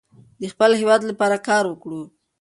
د خپل هیواد لپاره کار وکړو.